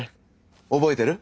覚えてる？